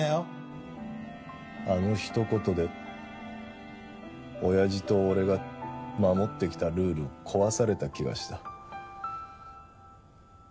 あの一言でおやじと俺が守ってきたルール壊された気がした。